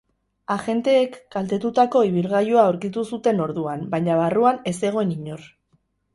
Agenteek kaltetutako ibilgailua aurkitu zuten orduan, baina barruan ez zegoen inor.